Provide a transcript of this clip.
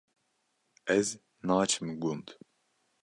Ez naçim gund